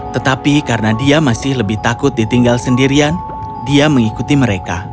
tetapi karena dia masih lebih takut ditinggal sendirian dia mengikuti mereka